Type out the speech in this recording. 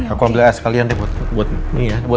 aku ambil es kalian deh buat elsa